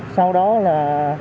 sau đó là